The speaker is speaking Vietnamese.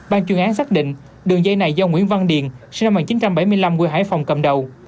ban chuyên án xác định đường dây này do nguyễn văn điền sinh năm một nghìn chín trăm bảy mươi năm quê hải phòng cầm đầu